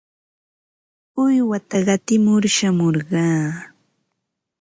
Uywata qatimur shamurqaa.